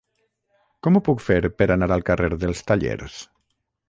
Com ho puc fer per anar al carrer dels Tallers?